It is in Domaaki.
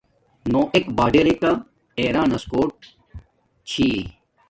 نو ایکا باڈرکا ایران نس کوٹ چھی